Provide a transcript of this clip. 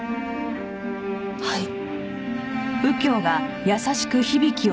はい。